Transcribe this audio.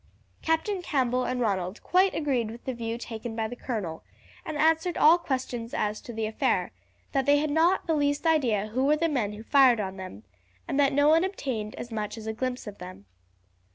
Captain Campbell and Ronald quite agreed with the view taken by the colonel, and answered all questions as to the affair, that they had not the least idea who were the men who fired on them, and that no one obtained as much as a glimpse of them.